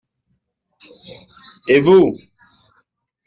Et vous ?